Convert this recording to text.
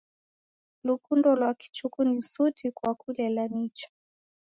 Lukundo lwa kichuku ni suti kwa kulela nicha.